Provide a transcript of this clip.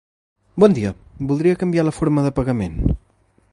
Bon dia, voldria canviar la forma de pagament.